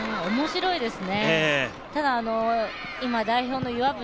面白いですね。